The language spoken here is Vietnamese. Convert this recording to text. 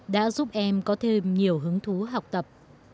đã giúp em có thêm nhiều hứng thú học tập